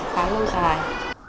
khá lâu dài